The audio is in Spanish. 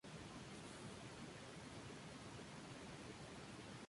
El hidrógeno es el único elemento que no posee su "capa K" saturada.